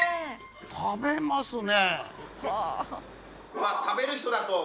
食べますね！